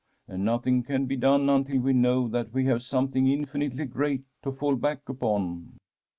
And nothing can be done until we know that we have something infinitely great to fall back upon.'